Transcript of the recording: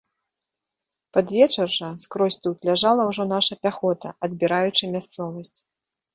Пад вечар жа, скрозь тут, ляжала ўжо наша пяхота, адбіраючы мясцовасць.